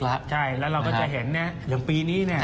เราจะเห็นอย่างปีนี้